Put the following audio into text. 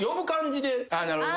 なるほどね。